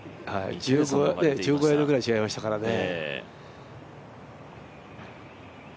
１５ヤードくらい違いましたからね。